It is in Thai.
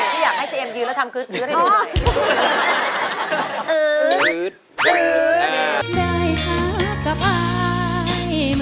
พี่อยากให้เจมย์ยืนแล้วทำคึดเลยหน่อย